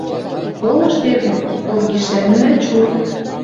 «Колышт, эргӹм, поп гишӓннӓ — чур.